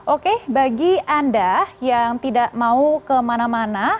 oke bagi anda yang tidak mau kemana mana